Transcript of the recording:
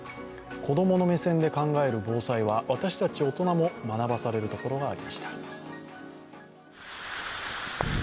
子供の目線で考える防災は私たち大人も学ばされるところがありました。